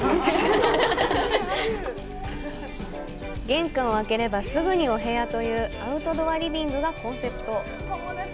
玄関を開ければすぐにお部屋というアウトドアリビングがコンセプト。